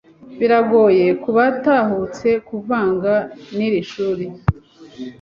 Biragoye kubatahutse kuvanga niri shuri.